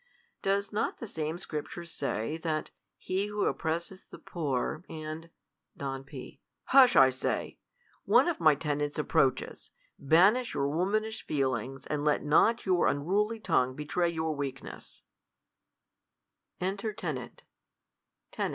Does not the same scripture say, that " He who op})resseth the poor, and " Don P. Hush, I say ; one of my tenants approaches. Banish your womanish feelings ; and kt not' your un*" nily tongue betray your weakness* H 2 Enter 90 THE COLUMBIAN ORATOR. Enter Tenant.